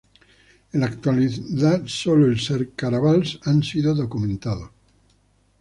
En la actualidad, sólo el Ser-Caravals han sido documentados.